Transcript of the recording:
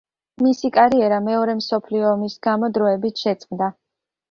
მისი კარიერა მეორე მსოფლიო ომის გამო დროებით შეწყდა.